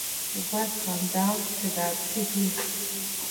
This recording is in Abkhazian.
Убасҟан далҵшәа дааԥшит уи.